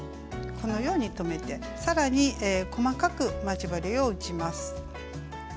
このように留めてさらに細かく待ち針を打ちます。